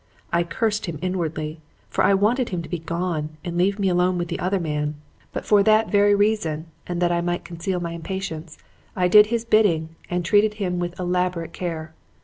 I cursed him inwardly, for I wanted him to be gone and leave me alone with the other man, but for that very reason and that I might conceal my impatience, I did his bidding and treated him with elaborate care.